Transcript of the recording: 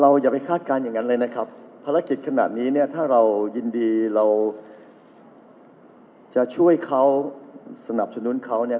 อย่าไปคาดการณ์อย่างนั้นเลยนะครับภารกิจขนาดนี้เนี่ยถ้าเรายินดีเราจะช่วยเขาสนับสนุนเขาเนี่ย